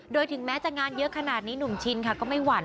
โดยถึงแม้จะงานเยอะขนาดนี้หนุ่มชินค่ะก็ไม่หวั่น